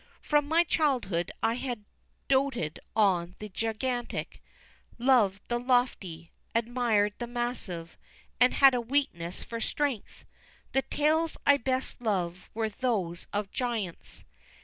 From my childhood I had doated on the gigantic, loved the lofty, admired the massive, and had a weakness for strength. The tales I best loved were those of giants.